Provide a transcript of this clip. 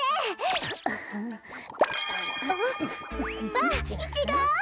わあイチゴ！